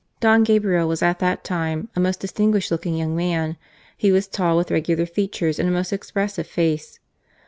^ Don Gabriel was at that time a most distin guished looking young man. He was tall, with regular features and a most expressive face.